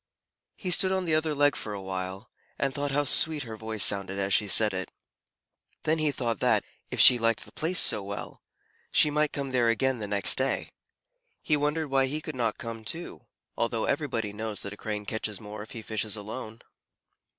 He stood on the other leg for a while, and thought how sweet her voice sounded as she said it. Then he thought that, if she liked the place so well, she might come there again the next day. He wondered why he could not come too, although everybody knows that a Crane catches more if he fishes alone.